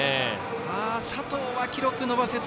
佐藤は記録を伸ばせず。